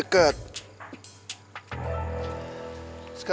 bang kubar selesai